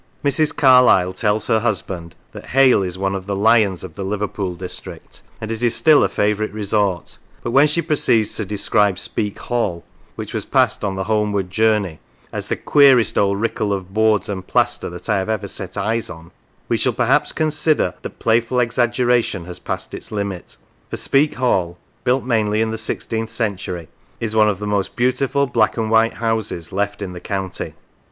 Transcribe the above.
Mrs. Carlyle tells her husband that Hale is one of the lions of the Liverpool district, and it is still a favourite resort; but when she proceeds to describe Speke Hall, which was passed on the homeward journey, as " the queerest old rickle of boards and plaster that I ever set eyes on," we shall perhaps con sider that playful exaggeration has passed its limit, for Speke Hall, built mainly in the sixteenth century, is one of the most beautiful black and white houses left in the county.